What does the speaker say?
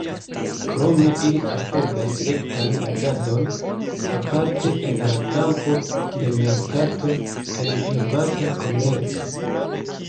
Krome, ili apogas rektan agadon, aparte en la kampo de merkato kaj privata komerco.